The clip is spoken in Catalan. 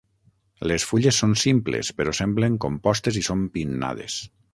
Les fulles són simples però semblen compostes i són pinnades.